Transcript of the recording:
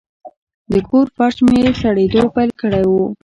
د کور فرش مې سړېدو پیل کړی و.